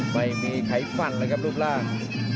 ไม่มีไขฟันเลยครับรูปร่าง